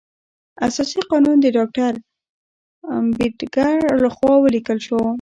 اساسي قانون د ډاکټر امبیډکر لخوا ولیکل شو.